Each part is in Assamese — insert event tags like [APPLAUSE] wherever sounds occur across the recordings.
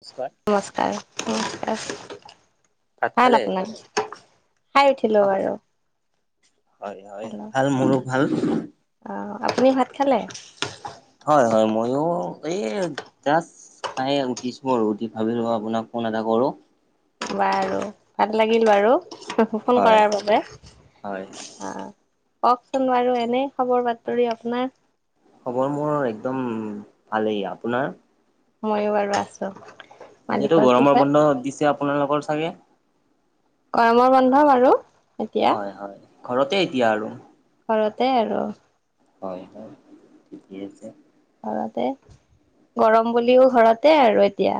নমস্কাৰ নমস্কাৰ নমস্কাৰ, ভাত ভাল খালে আপোনাৰ? খাই উঠিলো বাৰু হয় হয় হেল্ল' ভাল মোৰো ভাল। অ আপুনি ভাত খালে? হয় হয় মইয়ো এই জাষ্ট খাই এই উঠিছোঁ আৰু উঠি ভাবিলোঁ আপোনাক ফোন এটা কৰোঁ। বাৰু। ভাল লাগিল বাৰু, ফোন হয় কৰাৰ বাবে অ। হয় কওঁকচোন বাৰু এনেই খবৰ বাতৰি আপোনাৰ? খবৰ মোৰ একদম ভালেই, আপোনাৰ? মইয়ো বাৰু আছোঁ। এতিয়াতো গৰমৰ বন্ধ দিছে আপোনালোকৰ চাগে? গৰমৰ বন্ধ পালো। হয় হয়, ঘৰতে এতিয়া আৰু? ঘৰতে আৰু। হয় হয়, ঠিকেই আছে। ঘৰতে, গৰম বুলিও ঘৰতে আৰু এতিয়া।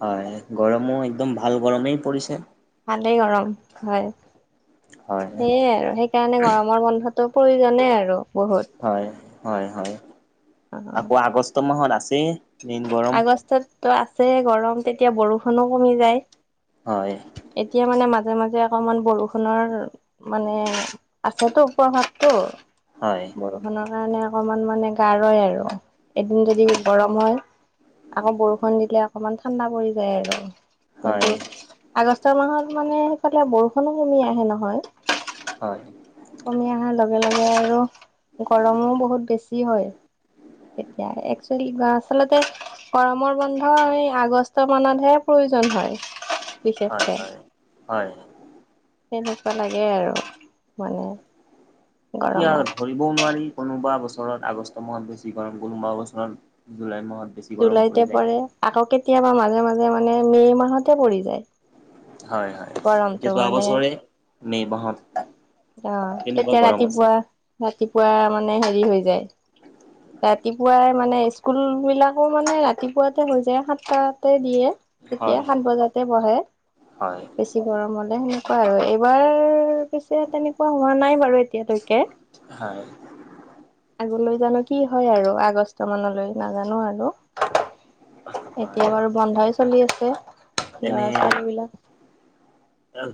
হয়, গৰমো একদম ভাল গৰমেই পৰিছে। ভালেই গৰম হয়, হয় সেইয়ে আৰু সেইকাৰণে গৰমৰ বন্ধত টো প্ৰয়োজনে আৰু বহুত। হয়, হয়, হয়, অ আকৌ আগষ্ট মাহত আছেই, মেইন গৰম। আগষ্টত ত' আছে গৰম, তেতিয়া বৰষুণো কমি যায়। হয়। এতিয়া মানে মাজে মাজে অকমান বৰষুণৰ মানে আছেতো প্ৰভাৱটো। হয়। বৰষুণৰ কাৰণে অকমান মানে গা ৰয় আৰু, এদিন দুদিন গৰম হয়। আকৌ বৰষুণ দিলে অকমান ঠাণ্ডা পৰি যায় আৰু, হয় সেইটোৱে। আগষ্ট মাহত মানে সেইফালে বৰষুণো কমি আহে নহয়। হয়। কমি অহাৰ লগে লগে আৰু। গৰমো বহুত বেছি হয়, তেতিয়া একচলি বা- আচলতে গৰমৰ বন্ধ আমি আগষ্ট মানতহে প্ৰয়োজন হয়। হয় বিশিষকে, হয় হয় তেনেকুৱা লাগে আৰু মানে। এতিয়া গৰমত ভ বও নোৱাৰি, কোনোবা বছৰত আগষ্ট মাহত বেছি গৰম, কোনোবা বছৰত জুলাই মাহত বেছি। গৰম পৰি জুলাইতে যায় পৰে, আকৌ কেতিয়াবা মাজে, মাজে মানে মে' মাহতে পৰি যায়। হয়, হয়। এতিয়া গৰমটো যোৱা মানে। বছৰে মে' মাহত। অঁ, তেনেকুৱা তেতিয়া গৰম আছিল ৰাতিপুৱা, ৰাতিপুৱা মানে হেৰি হৈ যায়। ৰাতিপুৱাই মানে স্কুল বিলাকো মানে ৰাতিপুৱাতে হৈ যায়, সাতটাতে দিয়ে। তেতিয়া হয় সাত বজাতে বহে, হয় বেছি গৰম হ'লে সেনেকুৱা আৰু, এইবাৰ পিছে তেনেকুৱা হোৱা নাই বাৰু এতিয়ালৈকে। হয় আগলৈ জানো কি হয় আৰু আগষ্ট মানলৈ নাজানো আৰু। হয় এতিয়া বাৰু বন্ধই চলি আছে, এনে ল'ৰা-ছোৱালী বিলাক।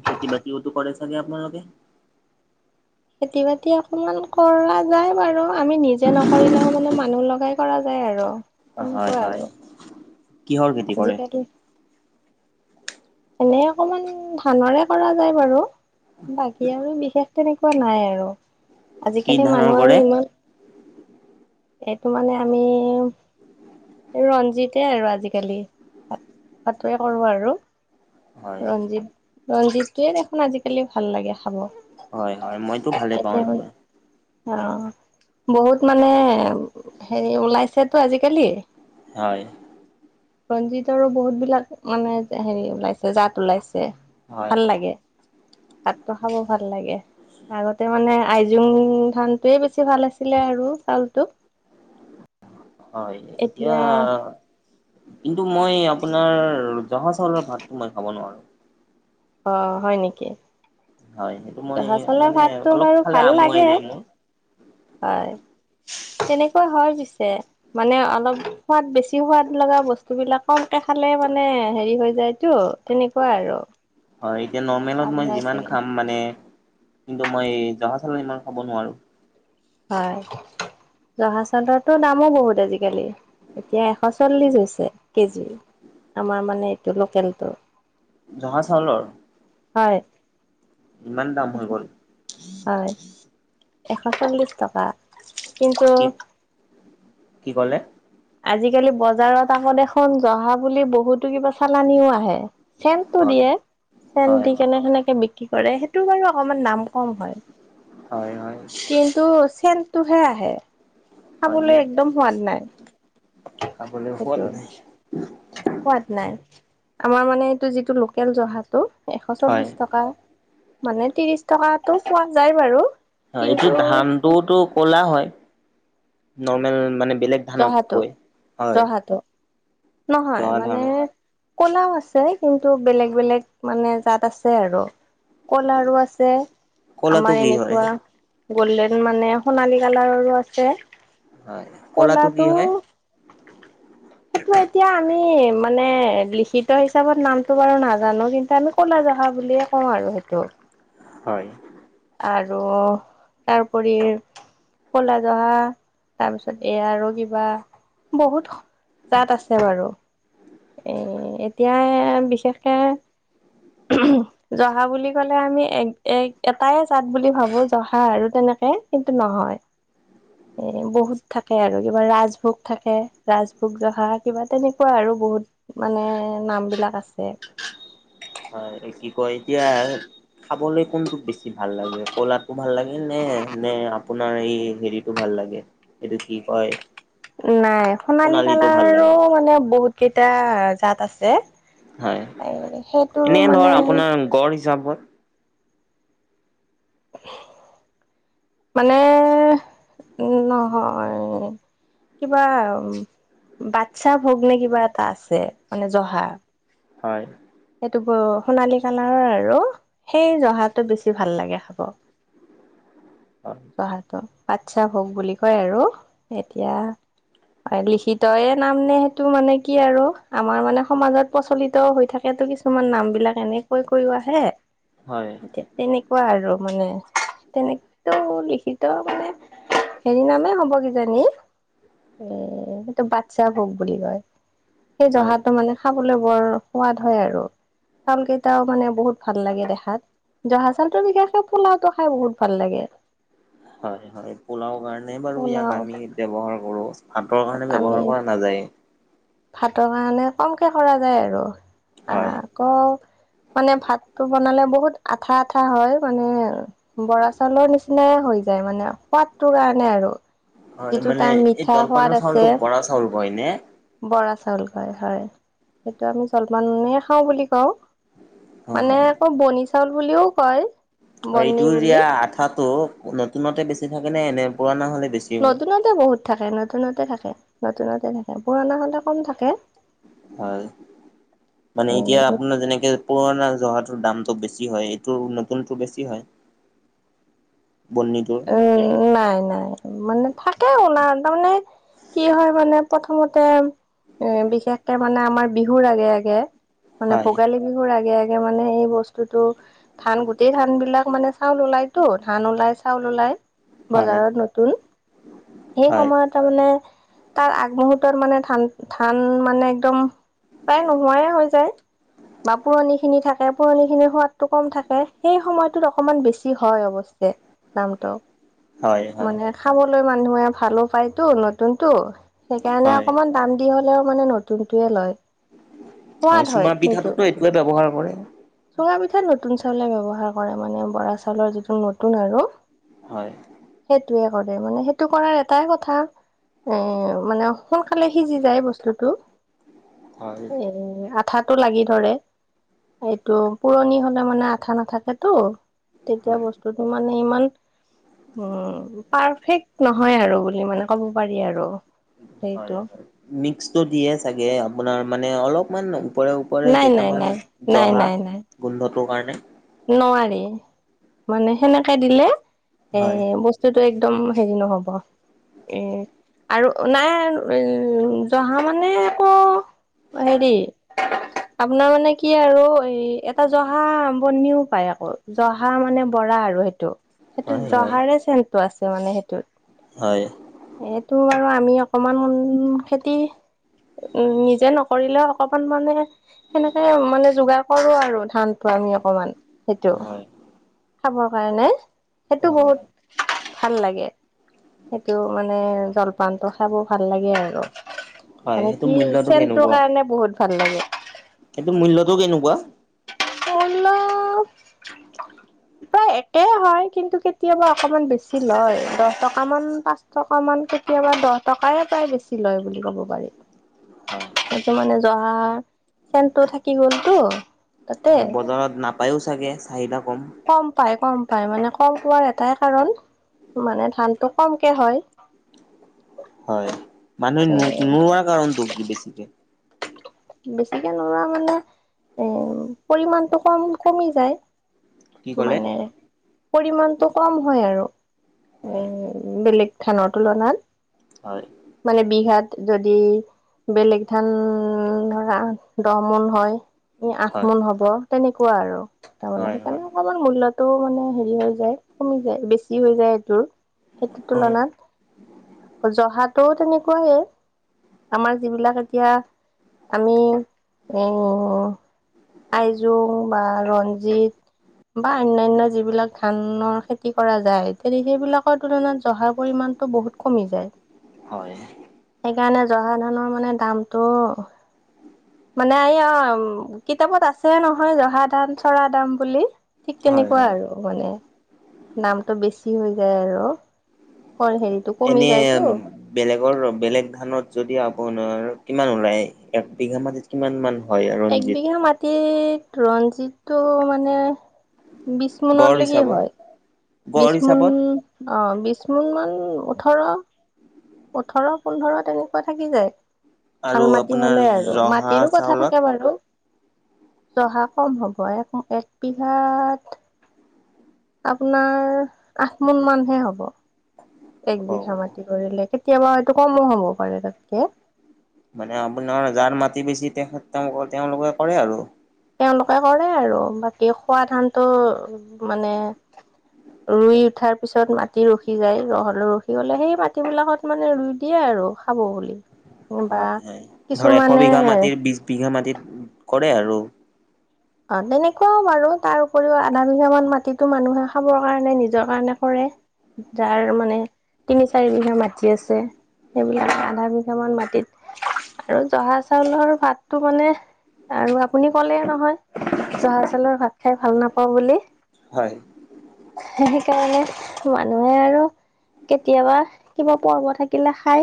খেতি বাতিওতো কৰে চাগে আপোনালোকে? খেতি বাতি অকমান কৰা যায় বাৰু, আমি নিজে নকৰিলেও মানে মানুহ লগাই। কৰা যায় আৰু। হয়, তেনেকুৱা হয়, আৰু কিহৰ খেতি কৰে? আজিকালি এনেই অকমান ধানৰে কৰা যায় বাৰু। বাকী আৰু বিশেষ তেনেকুৱা নাই আৰু। কি আজিকালি ধানৰ মানুহ আৰু কৰে ইমান, এইটো মানে আমি ৰঞ্জিতে আৰু আজিকালি, তাত তাতেই কৰোঁ আৰু। হয় ৰঞ্জিত, ৰঞ্জিতটোয়ে দেখোন আজিকালি ভাল লাগে খাব। হয়, হয়, মইতো ভালে পাওঁ এইটোৱে। অঁ, বহুত মানে হেৰি ওলাইছেতো আজিকালি। হয়। ৰঞ্জিতৰো বহুত বিলাক মানে হেৰি ওলাইছে, জাত ওলাইছে। হয় ভাল লাগে, ভাতটো খাব ভাল লাগে। আগতে মানে আইজোং ধানটোৱে বেছি ভাল আছিলে আৰু চাউলটো। হয়, এতিয়া কিন্তু মই আপোনাৰ জহা চাউলৰ ভাতটো মই খাব নোৱাৰোঁ। অ', হয়, নেকি? হয়, সেইটো মই জহা চাউলৰ মানে ভাতটো অলপ বাৰু খালে ভাল আমুৱাই লাগে যায় মোৰ। হয়, তেনেকুৱা হয়, পিছে। মানে অলপ সোৱাদ বেছি সোৱাদ লগা বস্তুবিলাক কমকে খালে মানে হেৰি হৈ যায়তো। তেনেকুৱা আৰু। হয়, এতিয়া নৰ্মেলত মই আপোনাৰ যিমান চাগে খাম মানে কিন্তু মই জহা চাউলত ইমান খাব নোৱাৰোঁ। হয়। জহা চাউলৰো দামো বহুত আজিকালি, এতিয়া এশ চল্লিশ হৈছে কেজি। আমাৰ মানে এইটো লোকেলটো। জহা চাউলৰ? হয়। ইমান দাম হৈ গ'ল হয়, এশ চল্লিশ টকা। কিন্তু কি, কি ক'লে? আজিকালি বজাৰত আকৌ দেখোন জহা বুলি বহুতো কিবা চালানিও আহে। চেনটো হয় দিয়ে, চেন হয় দি কেনে সেনেকে বিক্ৰী কৰে, সেইটো বাৰু অকমান দাম কম হয়। হয়, হয়। কিন্তু চেনটোহে আহে, খাবলে হয় একদম সোৱাদ নাই। খাবলৈ সোৱাদ সেইটো নাই। সোৱাদ নাই। আমাৰ মানে এইটো যিটো লোকেল জহাটো! এশ হয় চল্লিশ টকা, মানে ত্ৰিশ টকাতটো পোৱা যায় বাৰু। হয়, এইটো কিন্তু ধানটোতো ক'লা হয়। নৰ্মেল মানে বেলেগ জহাটো ধানতকৈ, হয়। জহাটো নহয়, জহা মানে ধানৰ ক'লাও আছে। কিন্তু বেলেগ বেলেগ মানে জাত আছে আৰু। ক'লাৰো আছে ক'লাটো আমাৰ কি হয় এনেকুৱা গল্ডেন মানে সোণালী কালাৰৰো আছে। হয়। কি ক'লাটো হয় সেইটো এতিয়া আমি মানে লিখিত হিচাপত নামটো বাৰু নাজানো, কিন্তু আমি ক'লা জহা বুলিয়ে কওঁ আৰু সেইটো। হয়। আৰু তাৰপৰি কলা জহা তাৰপিছত এয়া আৰু কিবা বহুত তাত আছে বাৰু। এ, এতিয়া বিশেষকে [INAUDIBLE] জহা বুলি ক'লে আমি এক, এক এটাই জাত বুলি ভাবোঁ, জহা আৰু তেনেকৈ কিন্তু নহয়। [INAUDIBLE] এই বহুত থাকে আৰু কিবা ৰাজভোগ থাকে, ৰাজভোগ জহা কিবা তেনেকুৱা আৰু বহুত। মানে নামবিলাক আছে। হয়, কি কয় এতিয়া খাবলে কোনটো বেছি ভাল লাগে, ক'লাতো ভাল লাগে নে, নে আপোনাৰ এই হেৰিটো ভাল লাগে এইটো কি কয় নাই সোণালী সোণালীটো ভাল কালাৰো লাগে মানে বহুত কেইটা জাত আছে। হয় এ সেইটোৰো এনে ধৰ মানে আপোনাৰ গড় হিচাপত [INAUDIBLE] মানে উ নহয় কিবা উ বাচ্ছা ভোগ নে কিবা এটা আছে মানে জহা। হয়। সেইটো ব সোণালী কালাৰৰ আৰু, সেই জহাটো বেছি ভাল লাগে খাব। অহ। জহাটো বাচ্ছা ভোগ বুলি কয় আৰু এতিয়া হয় লিখিতয়ে নাম নে সেইটো মানে কি আৰু, আমাৰ মানে সমাজত প্ৰচলিত হৈ থাকেতো কিছু মান নামবিলাক এনেই কৈ কৈও আহে, হয় এতিয়া তেনেকোৱা আৰু মানে তেনে তো লিখিত মানে হেৰি নামেই হ'ব কিজানি এ সেইটো বাচ্ছা ভোগ বুলি কয়, সেই হয় জহাটো মানে খাবলে বৰ সোৱাদ হয় আৰু, চাউল কেইটাও মানে বহুত ভাল লাগে দেখাত। জহা চাউলটোৰ বিশেষকে পোলাওটো খায় বহুত ভাল লাগে! হয় হয় পোলাও কাৰণে বাৰু পোলাও ইয়াক আমি ব্যৱহাৰ কৰো। ভাতৰ কাৰণে আমি ব্যৱহাৰ কৰা নাযায়। ভাতৰ কাৰণে কমকে কৰা যায় আৰু। হয়। আকৌ মানে ভাতটো বনালে বহুত আঠা আঠা হয়, মানে বৰা চাউলৰ নিচিনাই হৈ যায় মানে আও সোৱাদটো কাৰণে আৰু। হয় যিটো মানে তাৰ এই মিঠা সোৱাদ জলপানৰ আছে চাউলটো বৰা চাউল কয় নে? বৰা চাউল কয় হয়, সেইটো আমি জলপানে খাওঁ বুলি কওঁ। অ মানে হয় আকৌ বনি চাউল বুলিও কয়! হয় বন্নি এইটো বুলি ইয়া আঠাটো নতুনতে বেছি থাকে নে এনে পুৰণা হলে বেছি হয় নতুনতে বহুত থাকে, নতুনতে থাকে, নতুনতে থাকে পুৰণা হলে কম থাকে। হয় মানে এতিয়া উম আপোনাৰ যেনেকে পুৰণা জহাটোৰ দামটো বেছি হয়, এইটো নতুনতো বেছি হয় বনি টোৰ? উম নাই নাই মানে থাকে আও না তাৰমানে কি হয় মানে প্ৰথমতে এ বিশেষকে মানে আমাৰ বিহুৰ আগে আগে মানে হয় ভোগালী বিহুৰ আগে আগে মানে এই বস্তুতো ধান গোটেই ধান বিলাক মানে চাউল ওলাইতো ধান ওলাই চাউল ওলাই হয় বজাৰত নতুন, সেই হয় সময়ত তাৰমানে তাৰ আগমহূৰ্তত মানে ধান ধান মানে একদম প্ৰায় নোহোৱাই হৈ যায়। বা পুৰণিখিনি থাকে পুৰণি খিনিৰ সোৱাদটো কম থাকে, সেই সময়টোত অকণমান বেছি হয় অৱশ্যে দামটো। হয় হয় মানে খাবলৈ মানুহে ভালো পাইতো নতুনতো সেইকাৰণে হয় অকমান দাম দি হলেও মানে নতুনতোয়ে লয়, সোৱাদ হয় সেইটো। লৈ ব্যৱহাৰ কৰে। চুঙা পিঠা নতুন চাউলে ব্যৱহাৰ কৰে মানে বৰা চাউলৰ যিটো নতুন আৰু। হয়। সেইটোৱে কৰে মানে, সেইটো কৰাৰ এটাই কথা। এ মানে সোনকালে সিজি যায় বস্তুতো। হয় হয় এ আঠাটো লাগি ধৰে। এইটো পুৰণি হ'লে মানে আঠা নাথাকেতো, তেতিয়া বস্তুটো মানে ইমান উম, পাৰফেক্ট নহয় আৰু বুলি মানে ক'ব পাৰি আৰু। হয়, সেইটো হয়, মিক্সটো দিয়ে চাগে, আপোনাৰ মানে অলপমান ওপৰে ওপৰে নাই নাই কেইটামান নাই নাই জহা নাই নাই গোন্ধটোৰ কাৰণে। নোৱাৰি, মানে সেনেকে দিলে এ হয় বস্তু সেইটোতো একদম হেৰি নহ'ব। উ, আৰু নাই, উ, জহা মানে আকৌ হেৰি আপোনাৰ মানে কি আৰু এই এটা জহা কনিও পায় আকৌ, জহা মানে বৰা আৰু সেইটো, সেইটো হয় হয় জহাৰে চেন টো আছে মানে সেইটোত। হয়। এইটো বাৰু আমি অকমান খেতি উ, নিজে নকৰিলেও অকমান মানে সেনেকে মানে যোগাৰ কৰোঁ আৰু ধানটো আমি। অকমান সেইটো, হয় খাবৰ কাৰণে, অ সেইটো হয় বহুত ভাল লাগে, সেইটো মানে জলপানটো খাব ভাল লাগে আৰু। হয় মানে সেইটো কি মূল্যটো চেনটোৰ কেনেকুৱা কাৰণে বহুত ভাল লাগে। সেইটো মূল্যতটো কেনেকুৱা? মূল্য [INAUDIBLE] প্ৰায় একেই হয়, কিন্তু কেতিয়াবা অকণমান বেছি লয়, দহ টকামান পাঁচ টকা মান কেতিয়াবা দহ টকাই প্ৰায় বেছি লয় বুলি ক'ব পাৰি। হয়। এইটো মানে জহাৰ চেনটো থাকি গলতো। তাতে হয়, বজাৰত নাপায়ও চাগে চাহিদা কম। কম পাই, কম পাই, মানে কম পোৱাৰ এটাই কাৰণ। মানে ধানতটো কমকে হয়। হয়, মানুহে এ ন-নোৱাৰোৱা কাৰণতটো কি বেছিকে? বেছিকে নোৱাৰোৱা মানে, এ পৰিমানটো কম, কমি যায়। কি ক'লে? মানে পৰিমণতটো কম হয়, আৰু হয় এ বেলেগ ধানৰৰ তুলনাত। হয়। মানে বিঘাত যদি বেলেগ ধান ধৰা দহ মুন হয়, আঠ মোন হ'ব, তেনেকুৱা আৰু তাৰমানে হয় সেইকাৰণে অকণমান মূল্যটো মানে হেৰি হৈ যায়, কমি যায়, বেছি হৈ যায় এইটোৰ। এটো হয় তুলনাত। জহাটোও তেনেকুৱাই, আমাৰ যিবিলাক এতিয়া আমি উম, আইজোং বা ৰঞ্জিত বা অনায়ন্য যিবিলাক ধানৰ খেতি কৰা যায়, তে সেইবিলাক ৰ' তুলনাত জহাৰ পৰিমাণটো বহুত কমি যায়। হয় সেইকাৰণে জহা ধানৰ মানে দামটো মানে এই অ', কিতাপত আছে নহয়, জহা ধান, চৰা ধাম বুলি। ঠিক হয় তেনেকুৱা হয় আৰু। মানে নামটো বেছি হৈ যায় আৰু। [UNINTELLIGIBLE] এনে যায়তো। উম। বেলেগৰ বেলেগ ধানত যদি আপোনাৰ কিমান ওলায়? এক বিঘা মাটিত কিমান মান - একবিঘা মাটিতিত ৰঞ্জিটো মানে- গড় বিছমনৰ লগি হিচাপত হয়। গড় বিশমোন হিচাপত অ' বিশমোন মান, ওঠৰ। ওঠৰ, পোন্ধৰ তেনেকুৱা থাকি যায়। ভাল আৰু মাটি আপোনাৰ হ'লে আৰু। জহা মাটিৰো কথা চাউলত থাকে বাৰু। জহা কম হ'ব। এক, এক বিঘাত - আপোনাৰ আঠমোন মানহে হ'ব। অ একবিঘা মাটি কৰিলে। কেতিয়াবা এইটো কমো হ'ব পাৰে তাতকে। মানে আপোনাৰ জাৰ মাটি বেছি, তেখেত তেওঁলোকৰ-তেওঁলোকে কৰে আৰু। তেওঁলোকে কৰে আৰু। বাকী খোৱা ধানতো মানে - ৰুই উঠাৰ পিছত মাটি ৰখি যায়। নহ'লেও ৰখি গ'লে সেই মাটিবিলাকত - মানে ৰুই দিয়ে আৰু খাব বুলি। বা হয় হয়। ধৰ এশ বিঘা কিছুমানে মাটিৰ বিশ বিঘা মাটিত কৰে আৰু। অহ, তেনেকুৱাও বাৰু। তাৰ উপৰিও আধা বিঘামান মাটিতো মানুহে খাবৰ কাৰণে, নিজৰ কাৰণে কৰে। যাৰ মানে তিনি-চাৰি বিঘা মাটি আছে। সেইবিলাক আধা বিঘামান মাটিত। আৰু জহা চাউলৰ ভাতটো মানে- আৰু আপুনি ক'লেই নহয়। জহা চাউলৰ ভাত খাই ভাল নাপাওঁ বুলি। হয়। এ' সেইকাৰণে মানুহে আৰু- কেতিয়াবা কিবা [UNINTELLIGIBLE] থাকিলে খাই।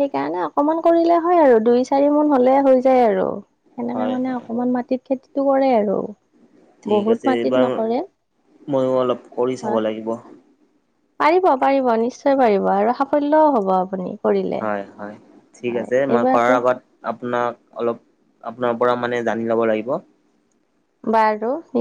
সেইকাৰণে অকমান কৰিলে হয় আৰু। দুই-চাৰিমোন হ'লে হৈ যায় আৰু। সেনেকে হয় মানে হয় অকমান মাটিত খেতিটো কৰে আৰু। বহুত মাটিত নকৰে। মইয়ো অলপ কৰি চাব হয় লাগিব। পাৰিব পাৰিব নিশ্চয় পাৰিব আৰু সাফল্যও হ'ব আপুনি। কৰিলে হয় হয়, ঠিক হয় আছে, মই কৰাৰ এইবাৰতো আগত- আপোনাক অলপ, আপোনাৰ পৰা মানে জানি ল'ব লাগিব। বাৰু নি-